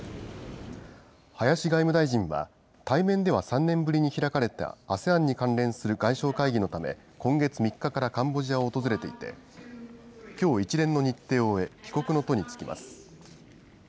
林外務大臣は、対面では３年ぶりに開かれたＡＳＥＡＮに関連する外相会議のため、今月３日からカンボジアを訪れていて、きょう、一連の日程を終え、帰国の途に就きます。